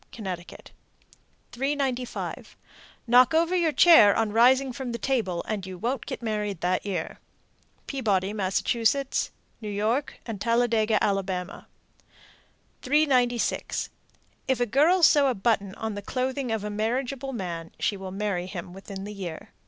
Connecticut. 395. Knock over your chair on rising from the table, and you won't get married that year. Peabody, Mass., New York, and Talladega, Ala. 396. If a girl sew a button on the clothing of a marriageable man, she will marry him within the year.